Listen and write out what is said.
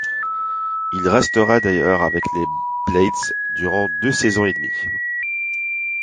Il restera d'ailleurs avec les Blades durant deux saisons et demie.